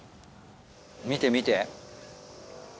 見て見て。